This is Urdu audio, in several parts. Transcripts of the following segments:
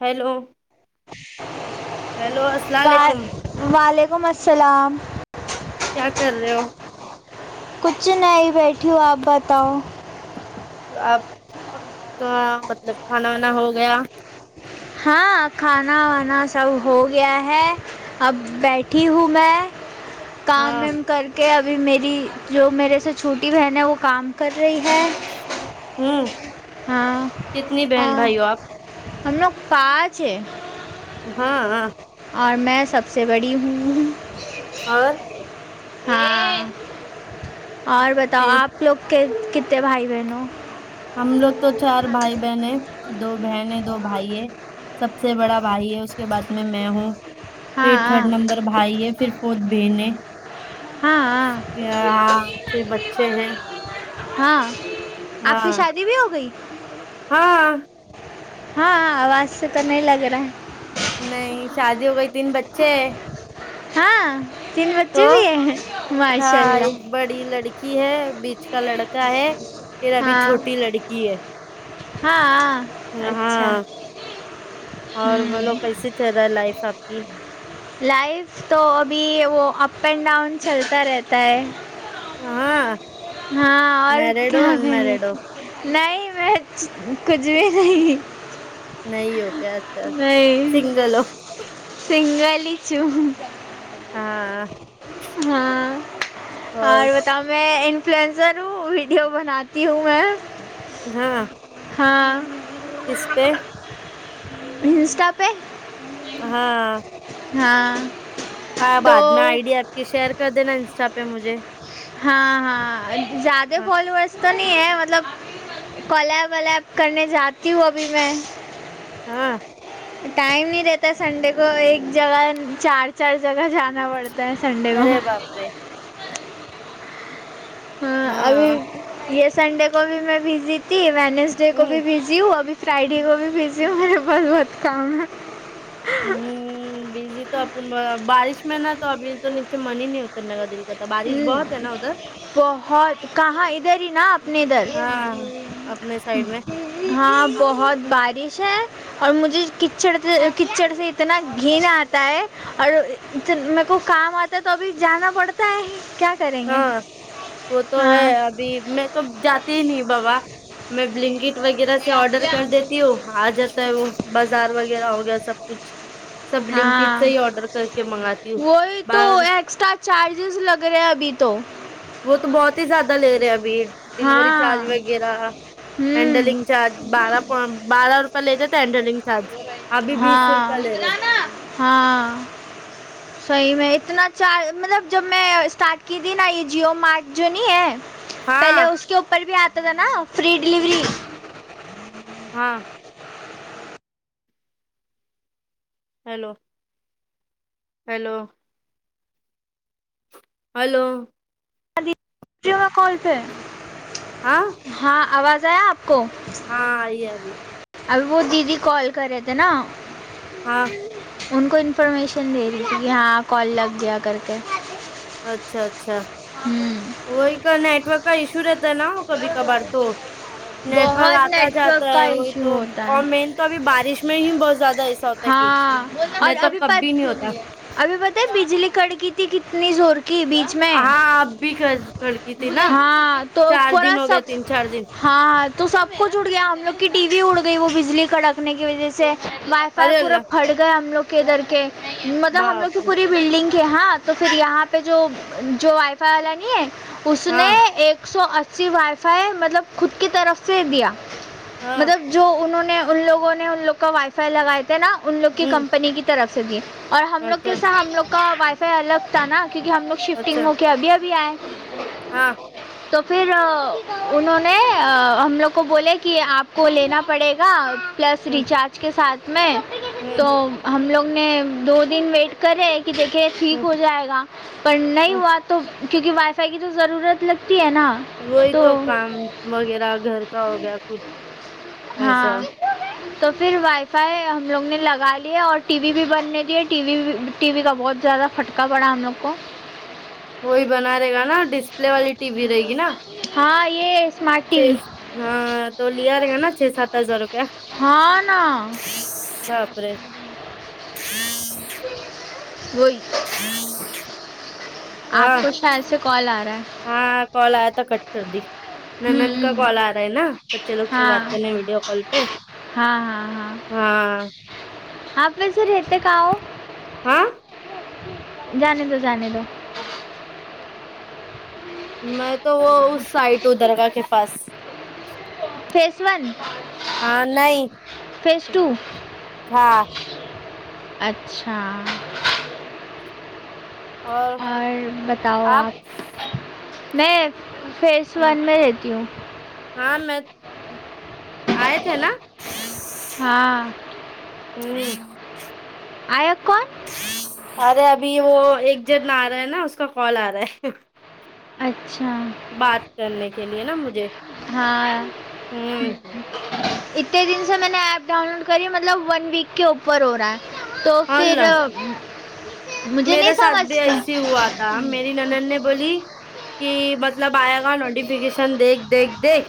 ہیلو ہیلو السلام علیکم وعلیکم السلام کیا کر رہے ہو کچھ نہیں بیٹھی ہو آپ بتاؤ آپ کہاں مطلب کھانا وانا ہو گیا ہاں کھانا وانا سب ہو گیا ہے اب بیٹھی ہوں میں کام ہاں وم کر کے کہ ابھی میری جو میرے سے چھوٹی بہن ہے وہ کام کر رہی ہے ہوں ہاں کتنی ا بہن بھائی ہو آپ ہم لوگ پانچ ہے ہاں اور میں سب سے بڑی ہوں اور ہاں اور بتاؤ پھر آپ لوگ کے کتنے بھائی بہن ہو ہم لوگ تو چار بھائی بہن ہیں دو بہن ہیں دو بھائی ہے سب سے بڑا بھائی ہے اس کے بعد میں مے ہوں ہاں پھر تھرڈ ہاں نمبر بھائی ہے پھر فورتھ بین ہے ہااں ہاں پھر بچے ہیں ہاں ہاں آپ کی شادی بھی ہو گئی ہاں ہاں آواز سے تو نہیں لگ رہا ہے نہیں شادی ہو گئی تین بچے ہے ہاں تین بچے بھی ہیں ماشاء ہاں اللہ ایک بڑی لڑکی ہے بیچ کا لڑکا ہے پھر ابھی ہاں چھوٹی لڑکی ہے ہاں اچھا ہاں اور بولو ہوں کیسے چل رہا ہے لائف آپ کی لائف تو ابھی وہ اپینڈاؤن چلتا رہتا ہے ہاں ہاں اور میرڈ ہو کیا ان میرڈ ہو کر نہیں میں کچھ بھی نہیں نہیں ہو کیا اچھا سنگل ہو سنگلاچھ ہوں ہاں ہاں اور تو میں انفلوئنزر ہوں ویڈیو بناتی ہوں میں ہاں ہاں کس پے انسٹا پہ ہاں ہاں آ تو بعد میں آئ ڈی آپ کی شیئر کر دینا انسٹا پہ مجھے ہاں ہاں زیادہ ہاں فالوورس تو نہیں ہے مطلب کولیب ولیب کرنے جاتی ہوں ابھی میں ہاں ٹائم نہیں رہتا سنڈے کو ایک جگہ چار چار جگہ جانا پڑتا ہے سنڈے کو ارے باپ رے ہاں ابھی یہ سنڈے کو بھی میں بزی تھی وینسڈے کو ہ بھی بزی ہوں ابھی فرائیڈے کو بزی ہوں میرے پاس بہت کام ہے ہمم بجلی تو اپن بارش میں نا تو ابھی تو نیچے من ہی نہیں ہوتا اترنے دل کا ہمم بہت کہاں ادھر ہی نا اپنے ادھر ہاں اپنے سائڈ میں ہاں بہت بارش ہے اور مجھے کچڑ سے کچڑ سے اتنا گھین آتا ہے اور میر کو کام آتا ہے تو ابھی جانا پڑتا ہے کیا کریں گے ہاں وہ تو ہے ہاں ابھی میں تو جاتے ہی نہیں بابا میں بلینکٹ وغیرہ سے آرڈر کر دیتی ہوں آ جاتا ہے وہ بازار وغیرہ ہو گیا سب کچھ سب بلینکٹ سے ہاں ہی آڈر کر کے منگاتی ہوں بار چارجیز لگ رہے ہیں ابھی تو وہ تو بہت ہی زیادہ لے رہے ابھی ڈیلیوری چارج ہاں وغیرہ ہوں ہینڈلنگ چارج بارہ پ بارہ روپے لیتے تھےہینڈلنگ چارج ابھی بیس ہاں روپیہ لے رہے تھے ہاں صحیح میں اتنا چار مطلب جب میں اسٹارٹ کی تھی نا یہ جیو مارٹ جو نہیں ہے پہلے ہاں اس کے اوپر بھی آتا تھا نا فری ڈلیوری ہاں ہیلو ہیلو ہیلو کال پہ ہاں ہاں آواز آیا آپ کو ہاں آئی ہےابی ابھی وہ دیدی کال کر رہے تھے نا ہاں ان کو انفارمیشن دے رہی تھی کہ ہاں کال لگ گیا کر کے اچھا اچھا ہوں وہی کا نیٹورک کا ایشو رہتا ہے نا کبھی کبار تو نیٹ ورک بہت آتا نیٹ جاتا ورک کا ہے وہی ایشو تو ہوتا اور ہے مین تو ابھی بارش میں ہی بہت زیادہ ایسا ہوتا ہے کیچ ہاں اور نہیں تو ابھی کبھی نہیں ہوتا ابھی پتہ ہے بجلی کڑ کی تھی کتنی زور کی بج میں ہاں آپ بھی کھڑکی تھی نا ہاں تو چار پورا دن ہو سب گیا ہاں تین چار دن ہاں تو سب کچھ اڑ گیا ہم لوگ کی ٹی وی اڑ گئی وہ بجلی کڑکنے کی وجہ سے ارے پورا اللہ پھٹ گئے ہم لوگ کے گھر کے مطلب ہم لوگ باپ کی رے پوری بلڈنگ کے ہاں تو پھر یہاں پہ جو جو وائی فائی والا نہیں ہے اس نے ہاں ایک سو اسی وائی فائی مطلب خود کی طرف سے دیا ہاں مطلب جو انہوں نے ان لوگوں نے ان لوگ کا وائی فائی لگائے تھے نا ان لوگ کی ہوں کمپنی کی طرف سے بھی اور ہم لوگ اچھا کے سا ہم لوگ کا وائی فائی الگ تھا نا کیونکہ ہم لوگ شفٹنگ اچھا ہو کےابھی بھی آے ہاں تو پھر انہوں نے ہم لوگ کو بولے کہ آپ کو لینا پڑے گا پلس ہوں ریچارج کے ساتھ میں ہوں تو ہم لوگ نے دو دن ویٹ کرے کہ دیکھے ٹھیک ہوں ہو جائے گا پر نہیں ہوں ہوا تو کیونکہ وائی فائی کی تو ضرورت لگتی ہے نا وہی تو کام وغیرہ گھر کا ہو گیا کچھ ایسا ہاں تو پھر وائ فای ہم لوگ نے لگا لیا اور ٹی وی بھی بند نہیں دیا ہے ٹی وی ٹی وی کا بہت زیادہ پھٹکا پڑا ہم لوگ کو وہی بنا رہے گا نا ڈسپلے والی ٹی وی رہے گی نا ہاں یہ اسمارٹ چھ ٹی وی ہاں تو لیا رہے گا نا چھ سات ہزار روپیہ ہاں نا باپ رے وہی ہاں آپ کو شاید سے کال آ رہا ہے ہاں کال آیا تھا کٹ کر دی ہوں نند کا ہوں کال آ رہا ہے نا بچے لوگ سے بات ہاں کرنے ہیں ویڈیو کال پہ ہاں ہاں ہاں آپ ویسے رہتے کہاں ہو ہاں جانے دو جانے دو میں تو وہ اس سائٹ وہ درگاہ کے پاس فیس ون ہاں نہیں فیس ٹو ہاں اچھا اور بتاؤ آپ آپ میں فیس سون میں رہتی ہوں ہاں میں آئے تھے نا ہاں ہمم آیت کون ارے ابھی وہ ایک جن آ رہا ہے نا اس کا کال آ رہا ہے اچھا بات کرنے کے لیے نا مجھے ہاں امم اتنے دن سے میں نے ایپ ڈاؤن لوڈ کری مطلب ون ویک کے اوپر ہو رہا ہے تو پھر اللہ مجھے نہیں میرے ساتھ بھی ایسی سمجھتے ہوا تا میری ننند نے بولی کہ مطلب آئے گا نوٹیفکیشن ن دیکھ دیکھ دیکھ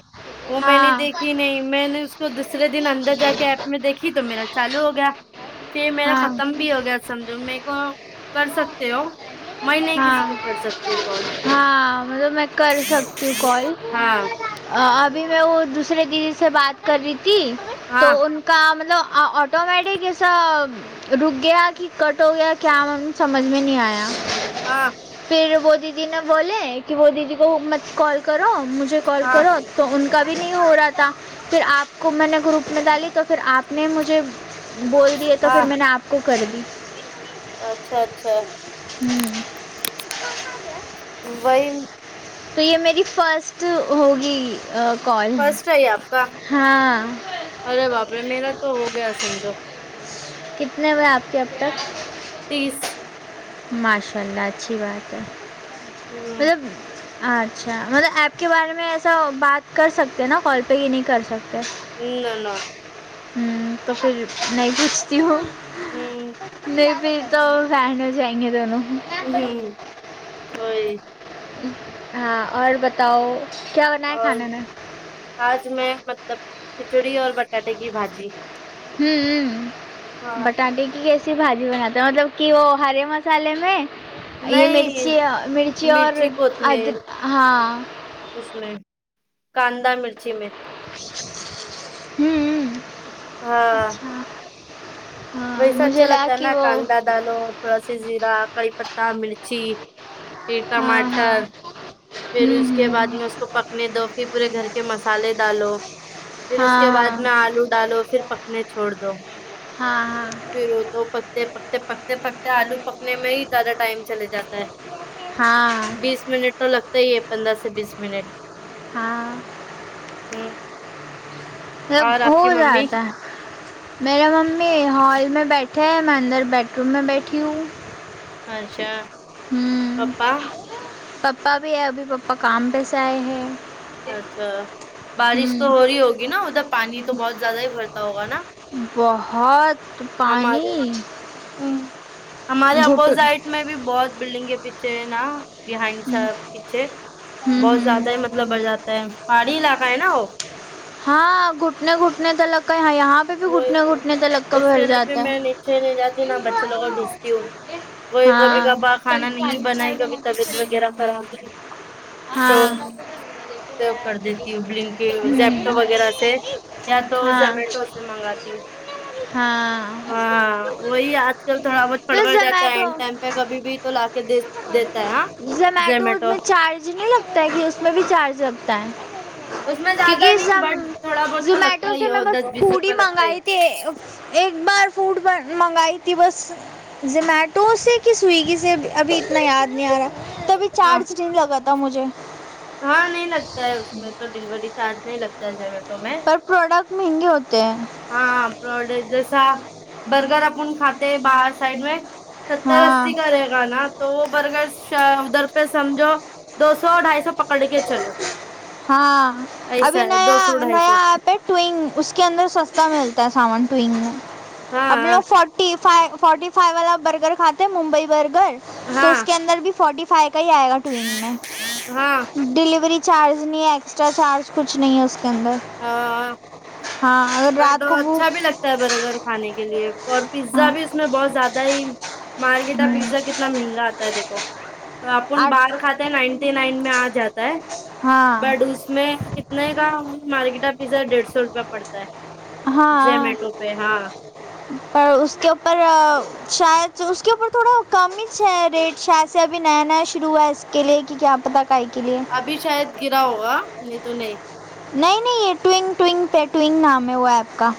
وہ میں نے ہاں دیکھی نہیں میں نے تو دوسرے دن اندر جا کے ایپ میں دیکھی تو میرا چالو ہو گیا پھر میرا ہاں ختم بھی ہو گیا سمجھو میں کو کر سکتے ہو میں نہیں کسی ہاں کو کر سکتی ہوں کال ہاں مطلب میں کر سکتی ہوں کال ہاں ابھی میں وہ دوسرے دیدی سے بات کر رہی تھی تو ہاں ان کا مطلب آٹومیٹک ایسا رک گیا کہ کٹ ہو گیا کیا ہم سمجھ میں نہیں آیا ہاں پھر وہ دیدی نے بولے کہ وہ دیدی کومت کال کرو مجھے کال ہاں کرو تو ان کا بھی نہیں ہو رہا تھا پھر آپ کو میں نے گروپ میں ڈالی تو پھر آپ نے مجھے بول دیے تو ہاں پھر میں نے آپ کو کر دی اچھا اچھا ہوں وہی تو یہ میری فسٹ ہوگی کال فرسٹ ہے آپ کا ہاں ارے باپرے میرا تو ہو گیا سمجھو کتنے ہوے آپ کے اب تک تیس ماشاء اللہ اچھی بات ہے ہ مطلب اچھا مطلب ایپ کے بارے میں ایسا بات کر سکتے ہیں نا کال پہ ہی نہیں کر سکتے نا نا ہوں تو پھر نہیں پوچھتی ہوں ہ میں بھی تو فین ہو جائیں گے دونوں ھم ام وہی ہاں اور بتاؤ کیا بنا ہے اور کھانے میں آج میں مطلب کھچڑی اور بٹاٹے کی بھاجی امم ہاں بٹاٹے کی کیسے ای بھاجی بناتے ہو مطلب کہ وہ ہرے مسالے میں یہ نہیں مرچی ا مرچی اور ادرک ہاں اس میں کاندا مرچی میں امم ہاں اچھا ہاں ویسا مجھے اچھا لگا لگتا ہے کہ نا وہ کاندار دالو تھوڑا سا زیرا کری پتا مرچی پھر ہاں ٹماٹر ہاں پھر ہوں اس کے بعد ہوں میں اس کو پکنے دو پھر پورے گھر کے مسالے ڈالو پھر اس کے ہاں بعد ہاں میں آلو ڈالو پھر پکنے چھوڑ دو ہاں ہاں پھر وہ تو پکتے پکتے پکتے پکتے آلو پکنے میں ہی زیادہ ٹائم چلے جاتا ہے ہاں ہاں بیس منٹ تو لگتا ہی ہے پندرہ سے بیس منٹ ہاں ام سب ہو ممی جاتا ہے میرا ممی ہال میں بیٹھ ہے میں اندر بیڈ روم میں بیٹھی ہوں اچھا ہوں پپا پپا بھی ہے ابھی پپا کام پہ سے آئے ہیں اچھا بارش تو ہوں ہو رہی ہوگی نا ادھر پانی تو بہت زیادہ ہی بھرتا ہوگا نا بہت ہمارے پانی ہم، ہمارے گھٹ ہوں اپوزائٹ میں بھی بہت بلڈنگ ہے پیچھے نا بہائنڈ سا پیچھے بہت ہوں زیادہ ہی مطلب بڑھ جاتا ہے پہاڑی علاقہ ہے نا وہ ہاں گھٹنے گھٹنے تو لگے ہیں یہاں پ وہی تو اس کے لیے بھی میں ہے نیچے نہیں جاتی نا بچوں لوگ کو بھیجتی ہوں وئی کبھی ہاں کبا کھانا نہیں بنائی کبھی طبیعت وغیرہ خراب تو ہاں سب کر دیتی ہوں بلینکٹ زپتو ہوں وغیرہ وغیرہ سے یا تو ہاں زمیٹو سے منگاتی ہوں ہاں ہاں وہی آج کل تھوڑا بہت پڑبڑ جاتا ہے اینڈ ٹائم پہ کبھی بھی تو لا کے دے دیتا ہے ہاں زمیٹو زومیٹو میں چارج مجھ نہیں لگتا ہے کہ اس میں بھی چارج لگتا ہے اس میں زیادہ کیونکہ نہیں زم بٹ تھوڑا بہت تو زومیٹو لگتا سے ہی میں ہو بس دس بیس ہڈی روپے لگتا ہی ہے. منگائی تے ایک بار فوڈ بن منگائی تھی بس زومیٹو سے کی سویگی سے ابھی اتنا یاد نہیں آ رہا تبھی ہاں چارجٹیم لگا تھا مجھے ہاں نہیں لگتا ہے اس میں تو ڈیگولی چارج نہیں لگتا ہے ذمیٹوں میں پر پروڈکٹ مہنگے ہوتے ہیں ہاں پرڈک جسا برگر اپون کھاتے باہر سائڈ میں ستر ہاں اسی کا رہے گا نا تو وہ برگر شا ادھر پے سمجھو دو سو ڈھائی سو پکڑ کے چلو ہاں ایسا ابھی ہے نیا دو سو ڈھائی نیا سو ایپ ہے ٹونگ اس کے اندر سستا ملتا ہے سامان ٹونگ میں اب ہاں لوگ forty five forty five والا برگر کھاتے ہیں ممبئی برگر تو ہاں اس کے اندر بھی فورٹی فائیو کا ہی آئے گا ٹوینگ میں ہاں ڈلیوری چارج نہیں ہے ایکسٹرا چارج کچھ نہیں ہے اس کے اندر ہاں ہاں اگر رات کو بھو تا برگر کھانے کے لیے اور پیزا ہاں بھی اس میں بہت زیادہ ہی مارکیٹا ہوں پیزا کت تنا مہنگا آتا ہے دیکھو تو آپون آٹھ باہر کھاتے نائنٹی نائن میں آ جاتا ہے ہاں بٹ اس میں کتنے کا مارکیٹا پیزا ڈیڑھ سو روپے پڑتا ہے ہاں زومیٹو پہ ہاں پر اس کے اوپر شاید سے اس کے اوپر تھوڑا کم یچ ہے ریٹ شاید سے ابھی نیا نیا شروع ہوا ہے اس کے لیے کی کیا پتا کاے کیلیے ابھی شاید گرا ہوگا نہیں تو نہیں نہیں نہیں یے ٹوینگ ٹوینگ پے ٹوینگ نام ہے وہ ایپ کا